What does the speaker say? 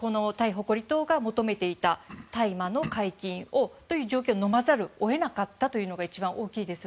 誇り党が求めていた大麻の解禁という条件をのまざる得なかったというのが一番大きいです。